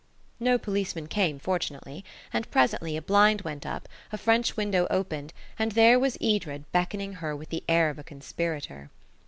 No policeman came, fortunately, and presently a blind went up, a French window opened, and there was Edred beckoning her with the air of a conspirator.